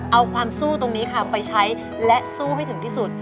เอาความสู้ตรงนี้ค่ะไปใช้และสู้ให้ถึงที่สุด